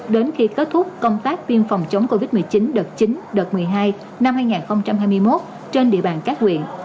đến khi kết thúc công tác viên phòng chống covid một mươi chín đợt chín đợt một mươi hai năm hai nghìn hai mươi một trên địa bàn các huyện